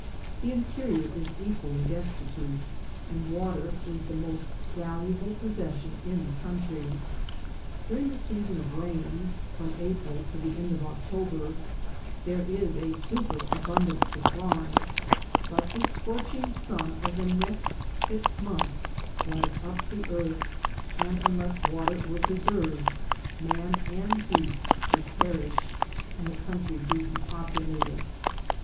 The interior is equally desti tute ; and water is the most valuable possession in the country. During the season of rains, from April to the end of October, there is a superabundant supply ; but the scorching sun of the next six months dries up the earth, and unless water' were preserved man and beast would perish, and the country be depopulated.